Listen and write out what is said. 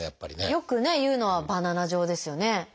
よく言うのは「バナナ状」ですよね。